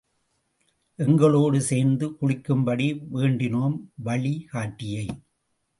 எங்களோடு சேர்ந்து குளிக்கும்படி வேண்டினோம், வழி காட்டியை.